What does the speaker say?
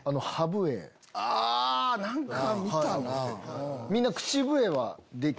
あ何か見たな。